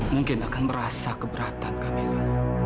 mungkin akan merasa keberatan camilan